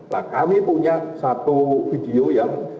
nah kami punya satu video yang